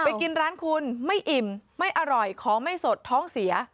กินร้านคุณไม่อิ่มไม่อร่อยของไม่สดท้องเสีย